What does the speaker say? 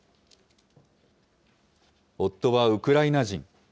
夫はウクライナ人。